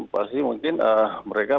pasti mungkin mereka